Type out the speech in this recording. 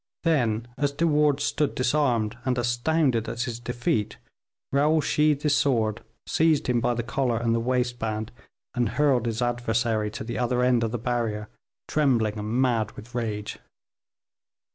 Then as De Wardes stood disarmed and astounded at his defeat, Raoul sheathed his sword, seized him by the collar and the waist band, and hurled his adversary to the other end of the barrier, trembling, and mad with rage.